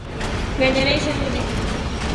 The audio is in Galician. Gañarei sendo digno